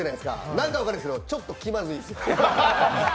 なんか分からないですけど、ちょっと気まずいです。